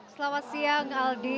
selamat siang aldi